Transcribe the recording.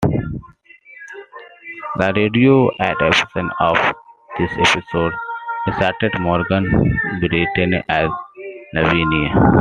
The radio adaptation of this episode starred Morgan Brittany as Lavinia.